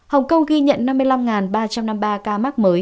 hồng kông ghi nhận năm mươi năm ba trăm năm mươi ba ca mắc mới